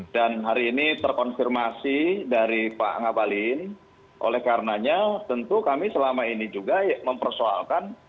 dan hari ini terkonfirmasi dari pak abalin oleh karenanya tentu kami selama ini juga mempersoalkan